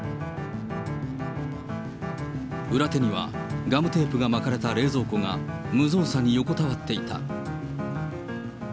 裏手には、ガムテープが巻かれた冷蔵庫が無造作に横たわっていた。